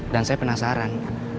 dan saya penasaran